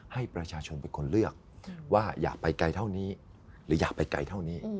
ให้ประชาชนเป็นคนเลือกว่าอย่าไปไกลเท่านี้หรืออย่าไปไกลเท่านี้